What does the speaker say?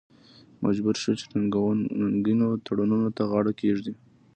مجبور شو چې ننګینو تړونونو ته غاړه کېږدي.